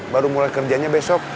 baru mulai kerjanya besok